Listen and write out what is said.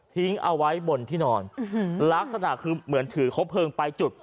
เอาไว้บนที่นอนลักษณะคือเหมือนถือครบเพลิงไปจุด